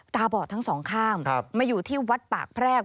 ตาบอดทั้งสองข้างมาอยู่ที่วัดปากแพรก